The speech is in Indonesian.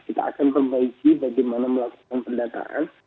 kita akan perbaiki bagaimana melakukan pendataan